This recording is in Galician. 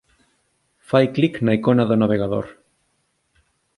Fai clic na icona do navegador.